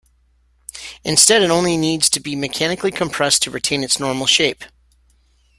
Instead it only needs to be mechanically compressed to retain its normal shape.